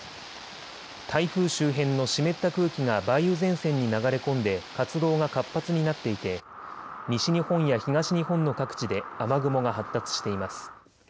台風周辺の湿った空気が梅雨前線に流れ込んで活動が活発になっていて西日本や東日本の各地で雨雲が発達しています。